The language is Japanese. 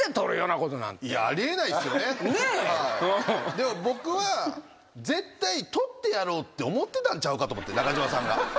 でも僕は絶対捕ってやろうって思ってたんちゃうかと思って中嶋さんが。